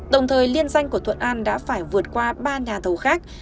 đồng thời liên danh của thuận an đã phải vượt qua ba nhà thầu khác